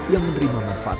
yang menerima manfaat